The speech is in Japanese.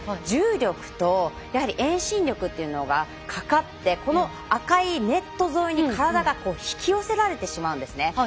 重力とやはり遠心力というのがかかって、この赤いネット沿いに体が引き寄せられてしまうんですね。